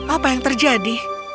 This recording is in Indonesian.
apa yang terjadi